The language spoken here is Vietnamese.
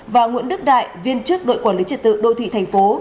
và nguyễn đức đại viên chức đội quản lý triệt tự đô thị thành phố